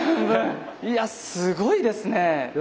いやすごいですね。